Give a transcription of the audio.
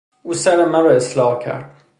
او سر مرا اصلاح کرد.